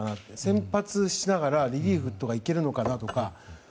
先発しながらリリーフいけるのかなとか。